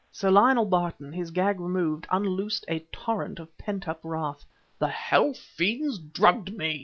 Sir Lionel Barton, his gag removed, unloosed a torrent of pent up wrath. "The hell fiends drugged me!"